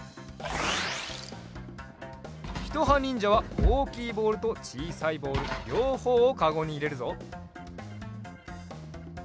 ひとはにんじゃはおおきいボールとちいさいボールりょうほうをかごにいれるぞ。